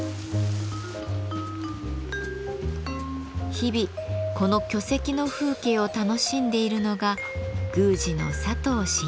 日々この巨石の風景を楽しんでいるのが宮司の佐藤眞一さん。